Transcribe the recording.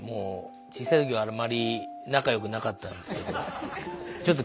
小さいときはあんまり仲よくなかったんですけど。